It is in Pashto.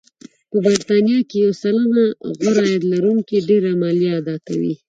په بریتانیا کې یو سلنه غوره عاید لرونکي ډېره مالیه اداکوي